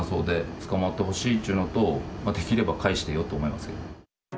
捕まってほしいっちゅうのと、できれば返してよって思いますけ